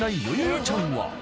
ちゃんは］